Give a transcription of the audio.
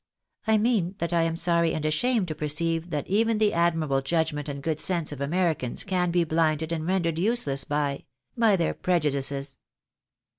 I mean that I am sorry and ashamed to perceive that even the admirable judgment and good sense of Americans can be blinded and rendered useless by — ^by their prejudices."